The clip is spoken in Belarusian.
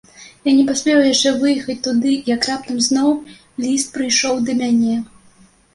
Я не паспеў яшчэ выехаць туды, як раптам зноў ліст прыйшоў да мяне.